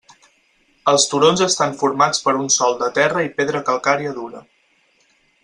Els turons estan formats per un sòl de terra i pedra calcària dura.